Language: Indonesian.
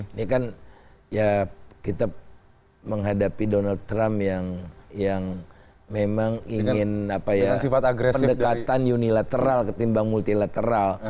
ini kan ya kita menghadapi donald trump yang memang ingin pendekatan unilateral ketimbang multilateral